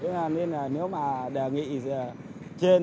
nên là nếu mà đề nghị trên